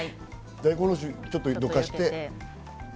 大根おろしをちょっとどかして。